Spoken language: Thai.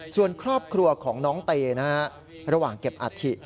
ส่วนครอบครัวของน้องเตนะฮะระหว่างเก็บอาถิ